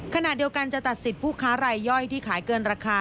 ขณะเดียวกันจะตัดสิทธิ์ผู้ค้ารายย่อยที่ขายเกินราคา